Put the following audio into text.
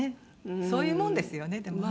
そういうもんですよねでもね。